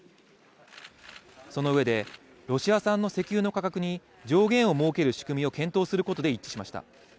その上でロシア産の石油の価格に上限を設ける仕組みを検討することで一致しました。